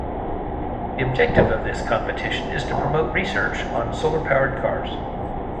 The objective of this competition is to promote research on solar-powered cars.